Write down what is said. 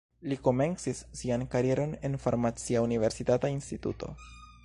Li komencis sian karieron en farmacia universitata instituto.